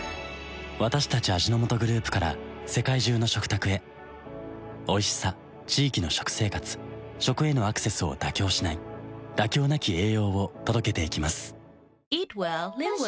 私たち味の素グループから世界中の食卓へおいしさ地域の食生活食へのアクセスを妥協しない「妥協なき栄養」を届けていきます